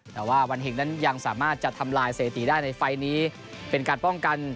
แต่ว่าวันเห็งนั้นยังสามารถจะทำลายเศรษฐีได้ในไฟล์นี้เป็นการป้องกัน